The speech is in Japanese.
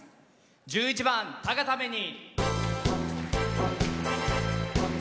１１番「誰がために」。